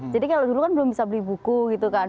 kalau dulu kan belum bisa beli buku gitu kan